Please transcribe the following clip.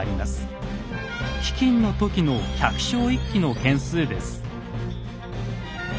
飢きんの時の百姓一揆の件数です。